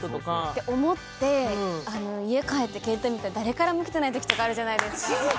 て思って家帰って携帯見たら誰からも来てないときとかあるじゃないですか。